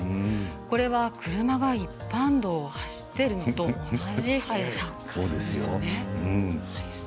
これは車が一般道を走っているのと同じ速さですよね。